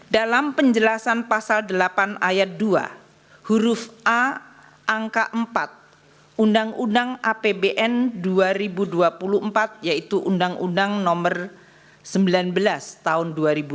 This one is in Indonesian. dalam penjelasan pasal delapan ayat dua huruf a angka empat undang undang apbn dua ribu dua puluh empat yaitu undang undang nomor sembilan belas tahun dua ribu dua puluh